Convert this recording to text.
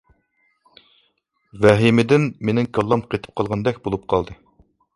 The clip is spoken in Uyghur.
ۋەھىمىدىن مېنىڭ كاللام قېتىپ قالغاندەك بولۇپ قالدى.